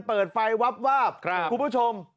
เปิดไฟวับวาบคุณผู้ชม